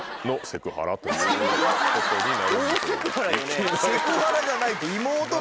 セクハラじゃないって。